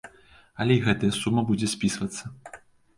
Але і гэтая сума будзе спісвацца.